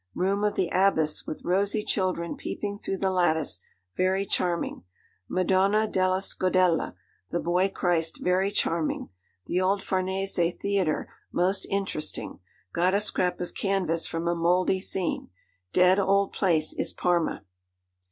Room of the Abbess, with rosy children peeping through the lattice, very charming. Madonna della Scodella the boy Christ very charming. The old Farnese Theatre most interesting; got a scrap of canvas from a mouldy scene. Dead old place is Parma.